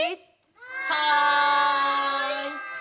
はい！